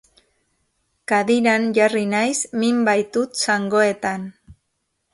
Kadiran jarri naiz, min baitut zangoetan.